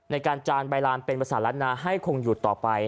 ในการจานใบลานเป็นภาษารัฐนาให้คงหยุดต่อไป